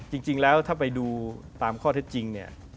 จริงแล้วถ้าไปดูตามข้อเท็จจริงเนี่ย